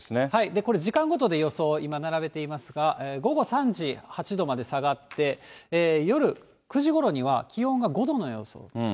これ、時間ごとで予想、今並べていますが、午後３時、８度まで下がって、夜９時ごろには、気温が５度の予想。